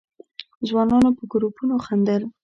ځوانانو په گروپونو خندل.